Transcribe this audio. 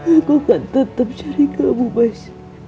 aku akan tetap cari kamu baik